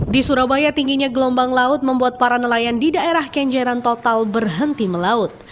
di surabaya tingginya gelombang laut membuat para nelayan di daerah kenjeran total berhenti melaut